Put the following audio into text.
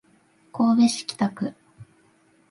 神戸市北区